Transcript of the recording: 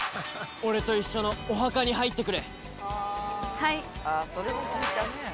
俺と一緒のお墓に入ってくれ。